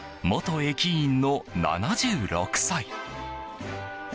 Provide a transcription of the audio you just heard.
元駅員の７６歳。